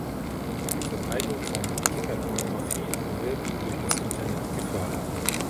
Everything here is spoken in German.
Die Verbreitung von Kinderpornographie wird durch das Internet gefördert.